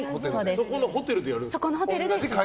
そこのホテルでやるんですか。